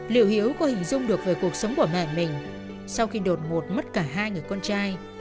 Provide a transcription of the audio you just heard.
liệu hiếu có hình dung được về cuộc sống của mẹ mình sau khi đột ngột mất cả hai người con trai